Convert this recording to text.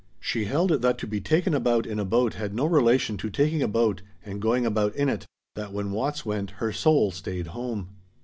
She held that to be taken about in a boat had no relation to taking a boat and going about in it; that when Watts went her soul stayed home.